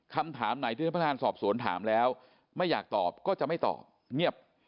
คำถามไหนที่ท่านพนักงานสอบสวนถามแล้วไม่อยากตอบก็จะไม่ตอบเงียบ